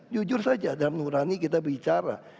jujur saja dalam nurani kita bicara